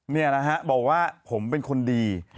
นี่แหละฮะบอกว่าผมเป็นคนดี